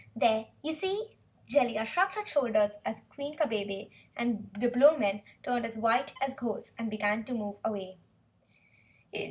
"There! You see?" Jellia shrugged her shoulders as Queen Kabebe and the Blowmen turned white as ghosts and began to move away.